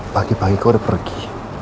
pagi pagi kau udah pergi